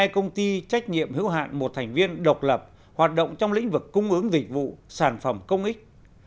sáu trăm một mươi hai công ty trách nhiệm hữu hạn một thành viên độc lập hoạt động trong lĩnh vực cung ứng dịch vụ sản phẩm công ích